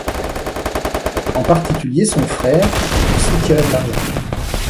En particulier, son frère, qui lui soutirait de l'argent.